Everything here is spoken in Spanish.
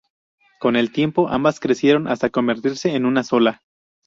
Con el tiempo ambas crecieron hasta convertirse en una sola.